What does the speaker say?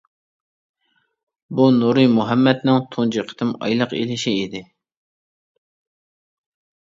بۇ نۇرى مۇھەممەتنىڭ تۇنجى قېتىم ئايلىق ئېلىشى ئىدى.